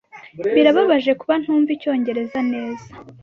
Birababaje kuba ntumva icyongereza neza.